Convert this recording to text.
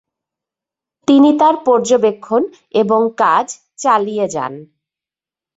তিনি তার পর্যবেক্ষণ এবং কাজ চালিয়ে যান।